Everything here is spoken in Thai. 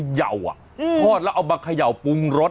ไข่เยาว่ะทอดแล้วเอามาไข่เยาว์ปรุงรส